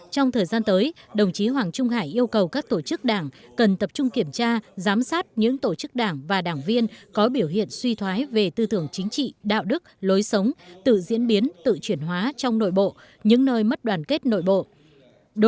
trong thời gian tới đồng chí hoàng trung hải yêu cầu các tổ chức đảng cần tập trung kiểm tra giám sát những tổ chức đảng và đảng viên có biểu hiện suy thoái về tư tưởng chính trị đạo đức lối sống tự diễn biến tự chuyển hóa trong nội bộ những nơi mất đoàn kết nội bộ